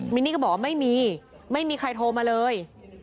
นนี่ก็บอกว่าไม่มีไม่มีใครโทรมาเลย